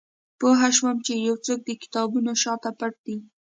پوه شوم چې یو څوک د کتابونو شاته پټ دی